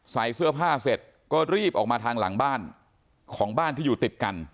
ใส่เสื้อผ้าเสร็จก็รีบออกมาทางหลังบ้านของบ้านที่อยู่ติดกัน